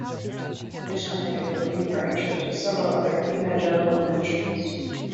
Additionally, they have working partnerships with several other evangelical ministries.